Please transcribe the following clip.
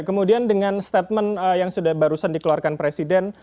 kemudian dengan statement yang sudah barusan dikeluarkan presiden